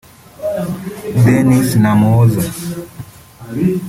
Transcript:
Denis Namuwoza